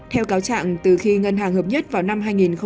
theo cáo trạng từ khi ngân hàng hợp nhất vào năm hai nghìn một mươi